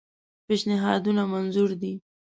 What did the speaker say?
پېشنهادونه منظور دي.